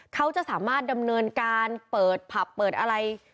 เขาจะสามารถดำเนินการเปิดผับเปิดอะไร